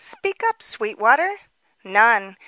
Speak up, Sweetwater." "None.